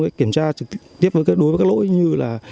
sẽ kiểm tra đối với các lỗi như